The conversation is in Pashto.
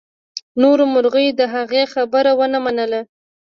نورو مرغیو د هغې خبره ونه منله.